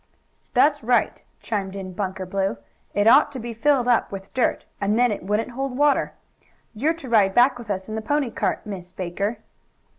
"That's right," chimed in Bunker Blue. "It ought to be filled up with dirt, and then it wouldn't hold water. You're to ride back with us in the pony cart, Miss Baker."